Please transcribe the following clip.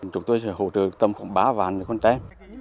chúng tôi sẽ hỗ trợ tầm khoảng ba vàng con trám